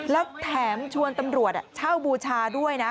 แล้วแถมชวนตำรวจเช่าบูชาด้วยนะ